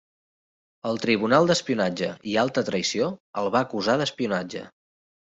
El Tribunal d'Espionatge i Alta Traïció el va acusar d'espionatge.